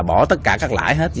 bỏ tất cả các lãi hết